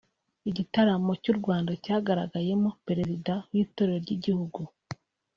Igitaramo cy’ u Rwanda cyagaragayemo Perezida w’Itorero ry’Igihugu